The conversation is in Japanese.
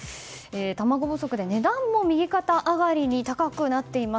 卵不足で値段も右肩上がりに高くなっています。